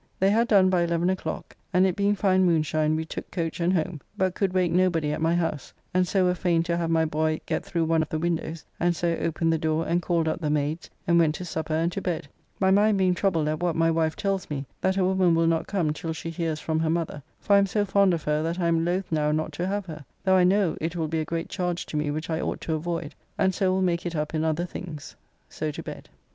They had done by eleven o'clock, and it being fine moonshine, we took coach and home, but could wake nobody at my house, and so were fain to have my boy get through one of the windows, and so opened the door and called up the maids, and went to supper and to bed, my mind being troubled at what my wife tells me, that her woman will not come till she hears from her mother, for I am so fond of her that I am loth now not to have her, though I know it will be a great charge to me which I ought to avoid, and so will make it up in other things. So to bed.